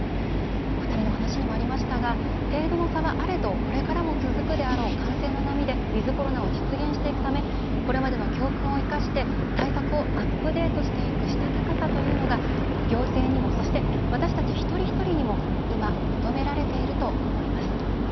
お二人の話にもありましたがやはり程度の差はあれどこれからも続くであろう感染の波でウィズコロナを実現していくためこれまでの教訓を生かして対策をアップデートしていくしたたかさというのが行政にもそして、私たち一人一人にも今、求められていると思います。